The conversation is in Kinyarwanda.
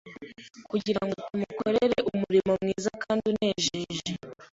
kugira ngo tumukorere umurimo mwiza kandi unejeje.